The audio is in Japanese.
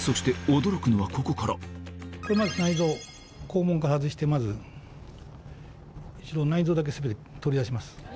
そしてまず内臓を肛門から外してまず一度内臓だけ全て取り出します。